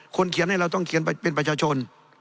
เขียนให้เราต้องเขียนเป็นประชาชน